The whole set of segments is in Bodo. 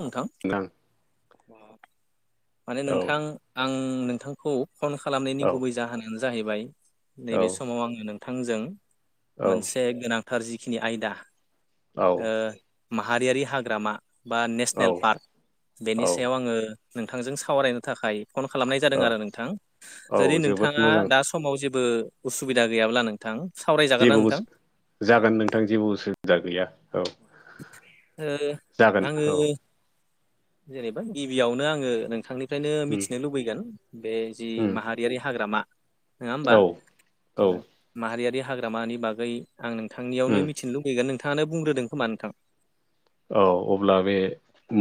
नोंथां न [unintelligible] माने औ नोंथां आं नोंथांखौ फन खालामनायनि औ गुबै जाहोनानो जाहैबाय औ नैबे समाव आङो नोंथांजों औ औ मोनसे गोनांथार जिखिनि आयदा ओ माहारियारि हाग्रामा बा औ नेसनेल पार्क बेनि औ सायाव आङो नोंथांजों सावरायनो थाखाय फन खालामनाय जादों औ आरो नोंथां औ जुदि जोबोद नोंथाङा मोजां दा समाव जेबो उसुबिदा गैयाब्ला नोंथां सावरायजागोन जेबो ना नोंथां उसु जागोन नोंथां जेबो उसु जा गैया औ ओ जागोन आङो औ। जेनेबा गिबियावनो आङो नोंथांनिफ्रायनो उम मिथिनो लुबैगोन। बे जि उम माहारियारि हाग्रामा नङा होमबा? औ औ ओ माहारियारि हाग्रामानि बागै आं उम नोंथांनियावनो मिथिनो लुगैगोन नोंथाङानो बुंग्रोदों खोमा नोंथां। औ अब्ला बे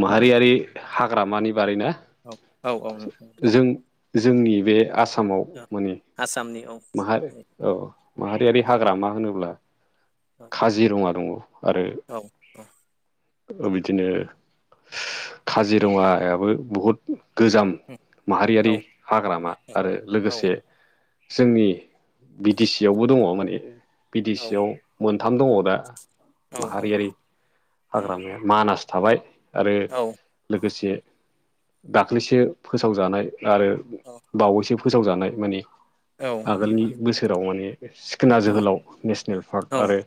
माहारियारि हाग्रामानि बारै ना? औ औ औ नोंथां जों जोंनि बे आसामाव औ माने आसामनि औ। माहा औ माहारियारि हाग्रामा होनोब्ला काजिरङा दङ। आरो औ। ओ बिदिनो काजिरङायाबो बहुत गोजाम औ माहारियारि हाग्रामा आरो औ लोगोसे जोंनि बि दि सि आवबो दङ माने बि दि सि आव मोनथाम दङ दा औ माहारियारि हाग्रामाया मानास थाबाय आरो लोगोसे दाख्लैसो फोसावजानाय आरो बावैसो फोसावजानाय माने आगोलनि बोसोराव माने सिखोना जोहोलाव नेसनेल पार्क औ आरो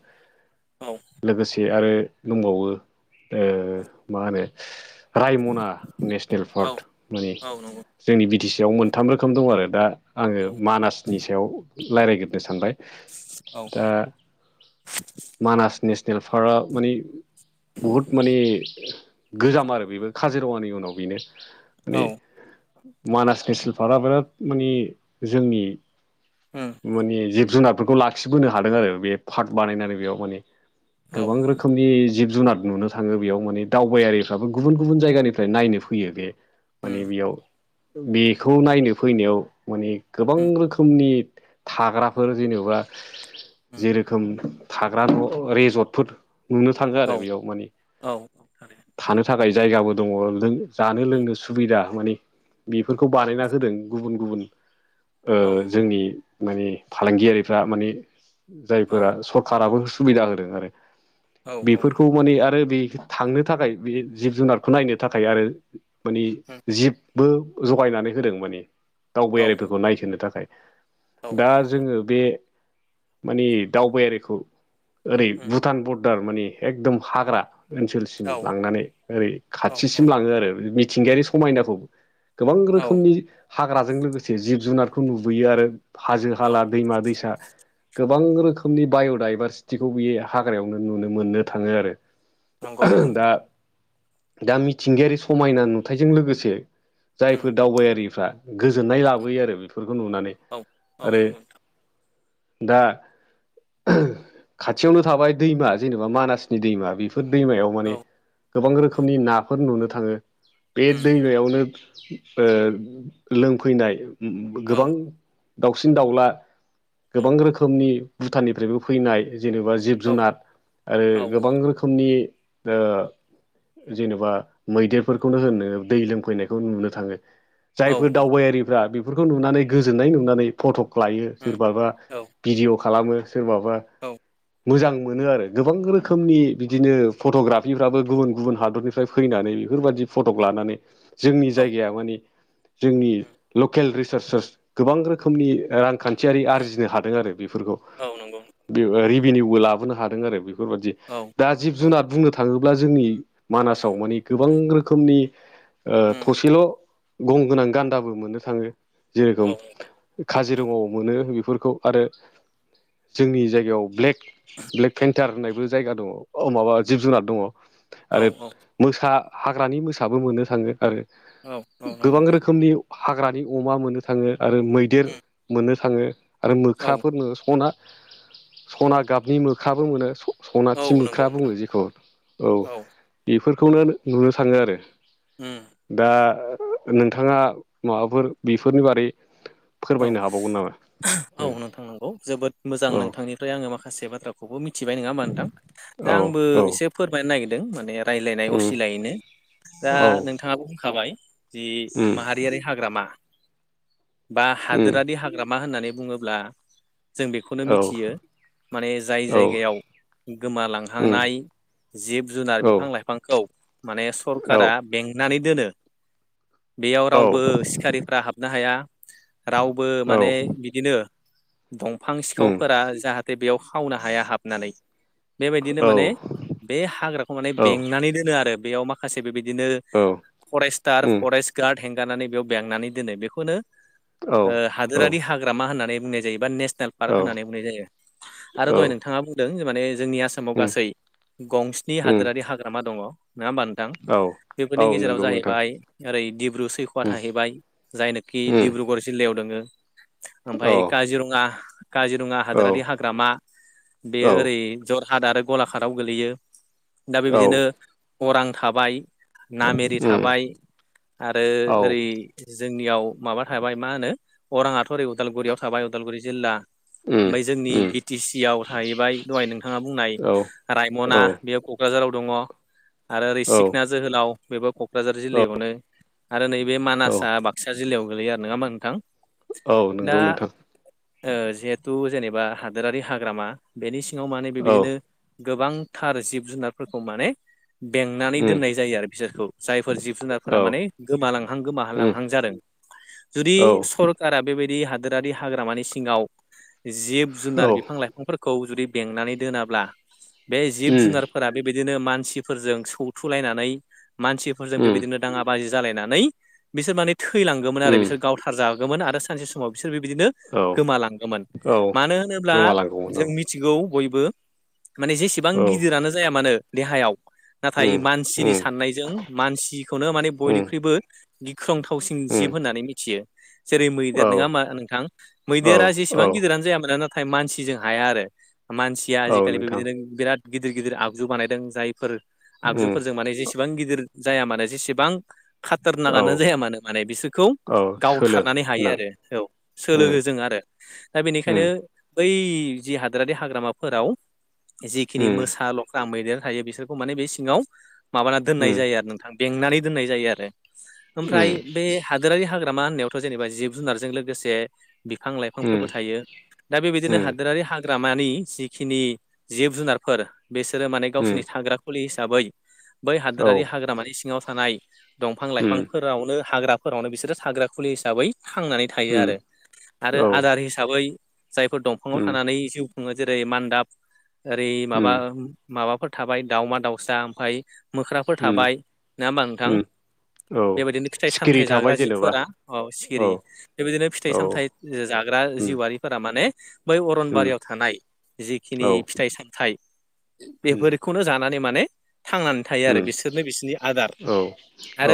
औ लोगोसे आरो दंबावो ओ मा होनो रायमना नेसनेल पार्क माने औ नंगौ जोंनि बि टि सि आव मोनथाम रोखोम दं आरो दा आङो औ मानास नि सायाव रायज्लायग्रनो सानबाय औ दा मानास नेसनेल पारआ मानि बहुद माने गोजाम आरो बेबो काजिरङानि उनाव बेनो। औ माने मानास नेसनेल पार्कआ बिराद माने जोंनि उम माने जिब जुनारफोरखौ लाखिबोनो हादों आरो बे पार्ट बानायनानै बेयाव माने औ गोबां रोखोमनि जिब जुनार नुनो थाङो बेयाव माने दावबायारिफ्राबो गुबुन गुबुन जायगानिफ्राय नायनो फैयो बे उम माने बेयाव बेखौ नायनो फैनायाव माने गोबां उम रोखोमनि थाग्राफोर जेनेबा उम जेरोखोम थाग्रा न' रेजर्टफोर नुनो थाङो औ आरो बेयाव माने। औ थारैनो थानो थाखाय जायगाबो दङ जानो उम लोंनो सुबिदा मानि बेफोरखौ बानायना होदों गुबुन गुबुन औ जोंनि माने फालांगियारिफ्रा माने औ जायफोरा सर्ट खाराराबो सुबिदा होदों आरो। औ उम बेफोरखौ माने आरो बे थांनो थाखाय बे जिब जुनारखौ नायनो थाखाय आरो मानि जिबबो जगायनानै होदों माने औ उम दावबायारिफोरखौ नायथोनो थाखाय। औ दा जोङो बे माने दावबायारिखौ। ओरै भुटान बरदार मानि एकदम हाग्रा। ओनसोलसिम लांनानै ओरै औ औ खाथिसिम लाङो आरो मिथिंगायारि समायनाखौ। गोबां औ रोखोमनि हाग्राजों लोगोसे जिब जुनारखौ नुबोयो आरो। हाजो औ हाला दैमा दैसा। गोबां रोखोमनि बाय'डाइभारसिटिखौ बे हाग्रायावनो नुनो मोननो थाङो आरो। नंगौ नोंथां। दा दा मिथिंगायारि समायना नुथायजों लोगोसे उम जायफोर दावबायारिफ्रा गोजोननाय लाबोयो आरो बेफोरखौ नुनानै औ औ आरो नंगौ नोंथां दा खाथियावनो थाबाय दैमा जेनेबा मानासनि दैमा बेफोर फोर दैमायाव माने औ गोबां रोखोमनि नाफोर नुनो थाङो। बे उम दैमायावनो ओ लोंफैनाय औ गोबां दाउसिन दाउला औ गोबां रोखोमनि भुटाननिफ्रायबो फैनाय जेनेबा जिब औ जुनार आरो औ गोबां रोखोमनि ओ जेनेबा मैदेरफोरखौनो होनो दै लोंफैनायखौ नुनो थाङो। औ जायफोर उम दावबायारिफ्रा बेफोरखौ नुनानै गोजोननाय नुनानै। फट' लायो सोरबाबा औ भिडिअ' खालामो सोरबाबा औ मोजां मोनो आरो गोबां रो खोमनि बिदिनो फट'ग्राफिफ्राबो गुबुन गुबुन हादरनिफ्राय फैनानै बेफोरबायदि फट'क लानानै जोंनि औ जायगाया माने जोंनि उम लकेल रिसार्चस। गोबां रोखोमनि रांखान्थियारि उम आरजिनो हादों आरो बेफोरखौ। औ नंगौ बे रिभिनिउबो लाबोनो हादों आरो बेफोरबादि। औ। दा जिब औ जुनार बुंनो थाङोब्ला जोंनि उम मानासाव मानि गोबां रोखोमनि उम थसेल' गं गोनां गान्दाबो मोननो थाङो औ जेरेखोम काजिरङायाव मोनो बेफोरखौ आरो जोंनि जायगायाव ब्लेक ब्लेक पन्टार होननायबो जायगा दङ औ माबा जिब जुनार दङ औ आरो औ मोसा हाग्रानि मोसाबो मोननो थाङो आरो औ। नंगौ गोबां नोंथां रोखोमनि हाग्रानि अमा मोननो थाङो आरो मैदेर मोननो थाङो। आरो उम मोख्राफोरनो सना सना गाबनि मोखाबो मोनो औ सनाथि नंगौ मोख्रा बुङो नोंथां जेखौ औ बेफोरखौनो नुनो थाङो आरो। उम दा नोंथाङा माबाफोर बेफोरनि बारै औ फोरमायनो हाबावगोन नामा औ। ओमफ्राय आङो माखासे बाथ्राखौबो मिथिबाय नङा होमबा नोंथां दा औ आंबो औ एसे फोरमायनो नागिरदों माने रायलायनाय असिलायैनो दा नोंथाङा बुंखाबाय जि औ माहारियारि हाग्रामा। बा हादोरारि हाग्रामा होननानै बुङोब्ला। जों बेखौनो औ मिथियो माने जाय औ जायगायाव उम गोमालांहांनाय जिब जुनार औ बिफां लाइफांखौ माने औ सरखारा बेंनानै दोनो। बेयाव औ रावबो सिखारिफ्रा हाबनो हाया रावबो औ माने बि दिनो दंफां उम सिखावफोरा जाहाथे बेयाव खावनो हाया हाबनानै। बेबायदिनो औ माने बे हाग्राखौ माने औ बेंनानै दोनो आरो बेयाव माखासे बेबायदिनो फरेस्टार उम फरेस्ट गार्ड हेंगारनानै बेयाव बेंनानै दोनो बेखौनो औ ओ हादोरारि हाग्रामा होननानै बुंनाय जायो बा नेसनेल पार्क औ होननानै बुंनाय जायो आरो दहय नोंथाङा बुं दों माने जोंनि आसामाव उम गासै गंस्नि उम हादोरारि हाग्रामा दङ नङा होमबा नोंथां औ बेफोरनि औ गेजेराव नंगौ नोंथां जाहैबाय ओरै दैब्रु सैख'आ उम थाहैबाय जायनोखि उम डबगर जिल्लायाव दङो ओमफ्राय औ काजिरङा काजिरङा औ हादोरारि हाग्रामा बेयो औ ओरै जरहाट आरो गलाघाटआव गोलैयो। दा उम औ बेबायदिनो अरां थाबाय नामेरि उम थाबाय आरो औ औ ओरै जोंनियाव माबा थाबाय मा होनो अराङाथ' ओरै उदालगुरियाव थाबाय उदालगुरि जिल्ला ओमफ्राय जोंनि बि टि सि आव थाहैबाय दहाय नोंथाङा बुंनाय रायमना बे क'क्राझाराव दङ आरो ओरै सिखना जोहोलाव बेबो क' कक्राझार जिल्लायावनो आरो नैबे औ मानासआ बाक्सा जिल्लायाव गोलैयो आरो नङा होमबा नोंथां औ दा नंगौ नोंथां जिहेथु जेनेबा हादोरारि हाग्रामा बेनि सिङाव माने औ बेबायदिनो गोबांथार जिब जुनारफोरखौ माने बेंनानै उम दोननाय जायो आरो बिसोरखौ जायफोर जिब जुनारफोरा औ माने गोमालांहां उम गोमाहालांहां जादों। जुदि औ सरकारा बेबायदि हादोरारि हाग्रामानि सिङाव जिब जुनार बिफां लाइफांफोरखौ जुदि बेंनानै दोनाब्ला बे जिब उम जुनारफोरा बेबायदिनो मानसिफोरजों सौथुलायनानै मानसिफोरजों उम बेबायदिनो दाङा बाजि जालायनानै बिसोर माने थैलांगोमोन आरो उम बिसोर गावथार जा गोमोन आरो सानसे समाव बिसोर बिबदिनो औ गोमालांगोमोन औ मानो होनोब्ला गोमालांगौमोन जों मि थिगौ बयबो माने जेसेबां औ औ गिदिरानो जाया मानो देहायाव उम नाथाय मानसिनि उम साननायजों मानसिखौनो माने उम बयनिख्रुइबो गिख्रं उम जिब होननानै मिथियो जेरै मैदेर औ नङा होमबा नोंथां औ मैदेरा जेसे औ एसेबां गिदिरानो जायामोन नाथाय मानसिजों हाया आरो मानसिया औ आजिखालि नोंथां बेबायदिनो बिराद गिदिर गिदिर आगजु बानायदों जायफोर उम आगजुफोरजों माने जेसे एसेबां गिदिर जाया मानोे जेसेबां औ खाथारनागानो जाया मानो माने बिसोरखौ औ सोलो गावथारनानै हायो गोनां आरो औ उम सोलोङो जों आरो दा बेनिखायनो उम बै उम मैदेर थायो बिसोरखौ माने बे सिङाव माबाना दोननाय उम जायो आरो नोंथां बेंनानै दोननाय जायो आरो ओमफ्राय उम बे हादोरारि हाग्रामा होननायावथ जेनेबा जिब जुनारजों लोगोसे बिफां लाइफांफोरबो उम थायो दा बेबायदिनो उम हादोरारि हा ग्रामानि जिखिनि जिब जुनारफोर बिसोरो माने उम गावसोरनि थाग्रा खुलि हिसाबै बै औ हादोरारि हाग्रामानि सिङाव थानाय दंफां लाइफां उम फोरावनो हाग्राफोरावनो बिसोरो हाग्रा खुलि हिसाबै थांनानै थायो आरो उम आरो औ आदार हिसाबै जायफोर दंफाङाव उम थानानै जिउ खुङो जेरै मान्दाब ओरै माबा उम माबाफोर थाबाय दावमा दावसा ओमफ्राय मोख्राफोर उम थाबाय नङा होमबा नोंथां उम औ बेबायदिनो फिथाइ सिखिरि सामथाइ थाबाय जाग्रा जेनेबा जिफोरा औ सिरि बेबायदिनो फिथाइ औ सामथाय जाग्रा उम जिउआ रिफोरा माने बै उम अरनबारियाव थानाय जिखिनि औ फिथाइ सामथाइ उम बेफोरखौनो जानानै माने थांनानै थायो आरो उम बिसोरनो बिसोरनि आदार औ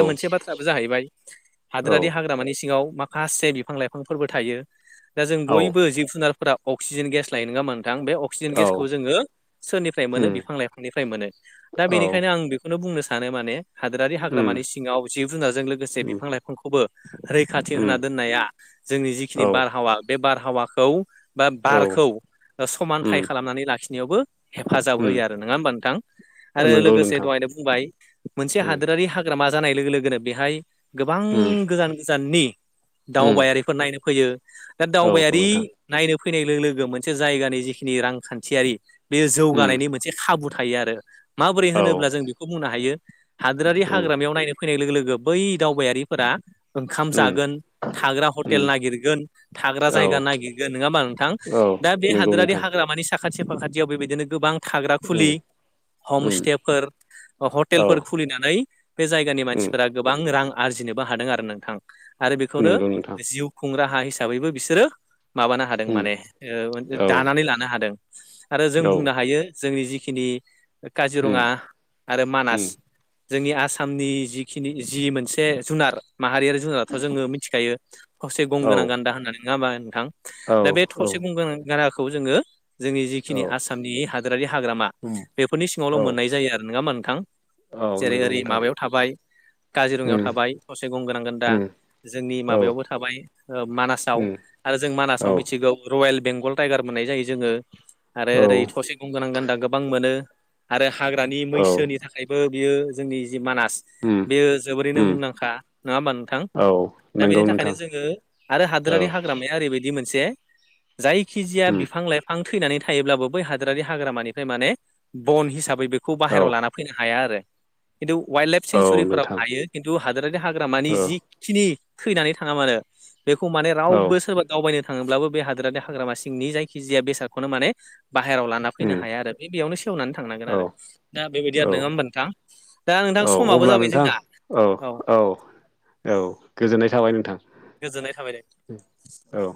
औ मोनसे बाथ्राबो जाहैबाय औ हादोरारि हाग्रामानि सिङाव माखासे बिफां लाइफांफोरबो थायो दा जों औ बयबो जिब जुनारफोरा अक्सिजेन गेस लायो नङा होमबा नोंथां बे क्सिजेन औ गेसखौ जोङो सोरनिफ्राय मोनो उम बिफां लाइफांनिफ्राय मोनो दा औ बेनिखायनो आं बेखौ बेखौनो बुंनो सानो माने हादोरारि उम हाग्रामानि सिङाव जिब जुनारजों लोगोसे उम बिफां लाइफांखौबो रैखाथि उम होना दोननाया जोंनि जिखिनि औ बारहावा बे बारहावाखौ बा औ बारखौ ओ उम समानथाय खालामनानै लाखिनायावबो हेफाजाब उम होयो आरो नङा होमबा नोंथां आरो नंगौ लोगोसे नोंथां दहायनो बुंबाय मोनसे उम हादोरारि हा ग्रामा जानाय लोगो लोगोनो बेहाय गोबां उम गोजान गोजाननि उम दावबायारि [unintelligible] नायनो फैयो दा औ दावबायारि नोंथां नायनो फैनाय लोगो-लोगो मोनसे जायगानि जिखिनि रांखान्थियारि बे उम जौगानायनि मोन से खाबु थायो आरो माबोरै औ होनोब्ला जों बेखौ बुंनो हायो हादोरारि उम हाग्रामायाव नायनो फैनाय लोग-लोगो बै दावबायारिफोरा ओंखाम उम जागोन थाग्रा उम हटेल नागिरगोन थाग्रा औ जायगा नागिरगोन नङा होमबा नोंथां? औ दा बे नंगौ हादोरारि नोंथां हाग्रामानि साखाथि फाखाथियाव बेबायदिनो गोबां थाग्रा उम खुलि उम हमस्टेफोर औ हटेलफोर खुलिनानै बे जायगानि उम मानसिफोरा गोबां रां आरजिनोबो हादों आरो नोंथां आरो बेखौनो नंगौ नोंथां जिउ खुंग्रा हा हिसाबैबो बिसोरो माबानो हादों उम माने ओ औ दानानै लानो हादों। आरो जों औ बुंनो हायो जोंनि जिखिनि उम काजिरङा आरो मानास उम जोंनि आसामनि जिखि जि मोनसे जुनार माहारियारि जुनाराथ जोङो मिथिखायो थसे औ गंगोनां गान्दा होननानै नङा होमबा नोंथां औ दा बे औ थसे गंगोनां गान्दाखौ जोङो जोंनि जिखिनि औ आस आसामनि हादोरारि हाग्रामा उम बेफोरनि सिङावल औ मोननाय जायो आरो नङा होमबा नोंथां? औ जेरै नंगौ ओरै नोंथां माबायाव थाबाय काजिरङायाव उम थाबाय थसे गंगोनां गान्दा उम जोंनि औ माबायावबो थाबाय मानासाव उम आरो जों मानासाव औ मिथिगौ रयेल बेंगल टाइगार मोननाय जायो जोङो आरो औ ओरै थसे गं गोनां गान्दा गोबां मोनो आरो हाग्रानि औ मैसोनि थाखाय थाखायबो बियो जोंनि जि मानास उम बेयो जोबोरैनो उम मुंदांखा नङा होमबा नोंथां? औ दा नंगौ बेनि थाखायनो नोंथां जोङो आरो औ हादोरारि हाग्रामाया ओरैबायदि मोन जे जायखिजाया उम बिफां लाइफ फां थैनानै थायोब्लाबो बै हादोरारि हाग्रामानिफ्राय माने बन हिसाबै बेखौ औ बाहेरायाव लाना फैनो हाया आरो खिन्थु वाइल्ड लाइफ औ सेेंसुरि नोंथां खिन्थु हादोरारि हाग्रामानि औ जिखिनि थैनानै थाङा मानो बेखौ माने औ रावबो सोरबा दावबायनो थाङोब्लाबो बे हादोरारि हाग्रामा सिंनि जायखिजाया बेसादखौनो माने बाहेराव लान लाना फैनो उम हाया आरो बे बेयावनो सेवनानै थांनांगोन औ आरो दा बेबायदि आरो औ नङा होमब नोंथां। दा नोंथां समाबो जाबाय जों औ-औ-औ गोजोननाय थाबाय नोंथां। गोजोननाय थाबाय दे उम औ।